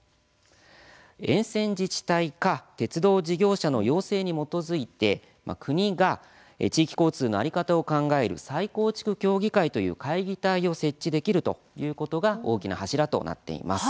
沿線自治体か鉄道事業者の要請に基づいて国が地域交通の在り方を考える再構築協議会という会議体を設置できる、ということが大きな柱となっています。